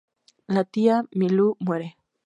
La tía Milú muere.